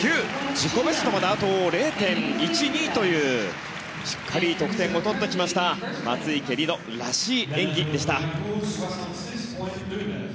自己ベストまであと０．１２というしっかり得点を取ってきました松生理乃らしい演技でした。